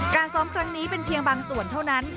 ซ้อมครั้งนี้เป็นเพียงบางส่วนเท่านั้น